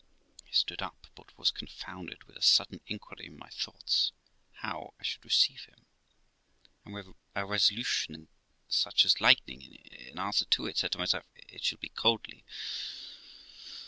I stood up, but was confounded with a sudden inquiry in my thoughts how I should receive him, and with a resolution as swift as lightning, in answer to it, said to myself, 'It shall be coldly.'